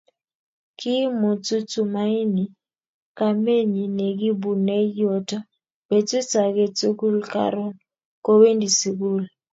Kiimutu tumaini kamenyi nekibunei yoto betut age tugul Karon kowendi sukul